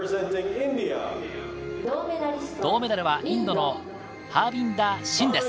銅メダルはインドのハービンダー・シンです。